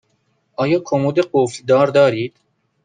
آیا کمد قفل دار دارید؟